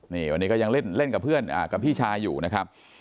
นี่วันนี้ก็ยังเล่นกับเพื่อนกับพี่ชายอยู่นะครับ